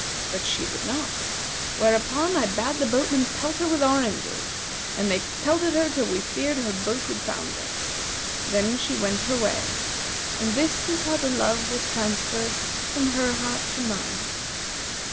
But she would not; whereupon I bade the boatmen pelt her with oranges, and they pelted her till we feared her boat would founder Then she went her way, and this is how the love was transferred from her heart to mine.'